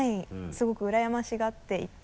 すごくうらやましがっていて。